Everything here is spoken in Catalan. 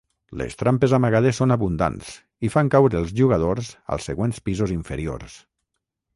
Les trampes amagades són abundants i fan caure els jugadors als següents pisos inferiors.